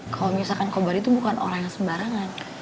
kalau misalkan kobani tuh bukan orang yang sembarangan